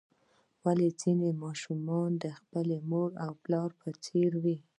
ولې ځینې ماشومان د خپل مور او پلار په څیر وي